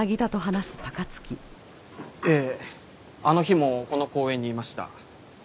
ええあの日もこの公園にいました。